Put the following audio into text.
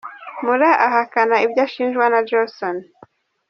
Moore ahakana ibyo ashinjwa na Johnson.